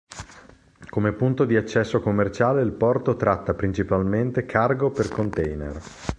Come punto di accesso commerciale, il porto tratta principalmente cargo per container.